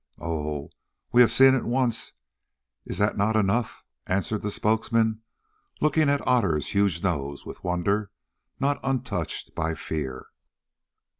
"Ou! We have seen it once, is that not enough?" answered the spokesman, looking at Otter's huge nose with wonder not untouched by fear.